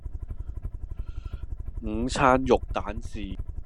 午餐肉蛋治